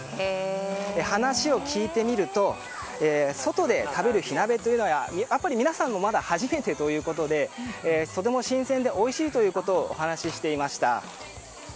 話を聞いてみると外で食べる火鍋というのは皆さんもまだ初めてということでとても新鮮でおいしいということをお話していました。